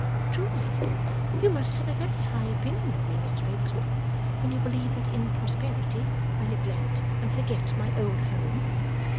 'Truly, you must have a very high opinion of me, Mr Rokesmith, when you believe that in prosperity I neglect and forget my old home.